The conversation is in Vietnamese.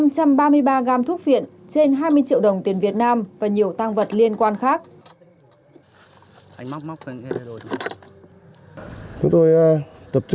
gần ba trăm linh gram thuốc phiện trên hai mươi triệu đồng tiền việt nam và nhiều tăng vật liên quan khác